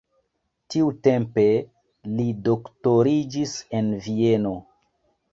Tiutempe li doktoriĝis en Vieno.